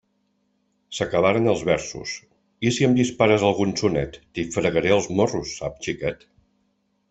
S'acabaren els versos; i si em dispares algun sonet, t'hi fregaré els morros, saps xiquet?